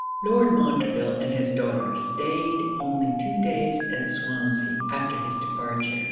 Lord Montreville and his daughter staid only two days at Swansea after his departure.